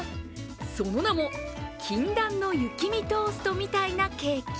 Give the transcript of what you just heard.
その名も、禁断の雪見トーストみたいなケーキ。